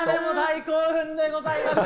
田辺も大興奮でございます！